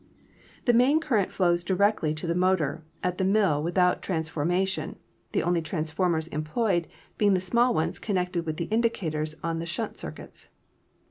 'The main current flows directly to the motor at the mill without transformation, the only transformers em ployed being the small ones connected with the indicators on the shunt circuits.